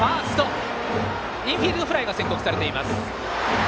インフィールドフライが宣告されています。